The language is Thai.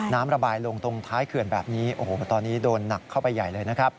ระบายลงตรงท้ายเขื่อนแบบนี้โอ้โหตอนนี้โดนหนักเข้าไปใหญ่เลยนะครับ